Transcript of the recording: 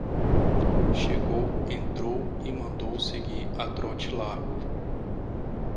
Chegou, entrou e mandou seguir a trote largo.